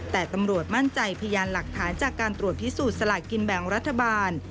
แต่ตำรวจมั่นใจพยานหลักฐานจากการตรวจพิสูจน์สลากกินแบ่งรัฐบาล